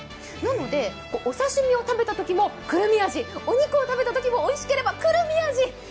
なので、お刺身を食べたときも「くるみあじ」お肉を食べたときもおいしければ「くるみあじ」。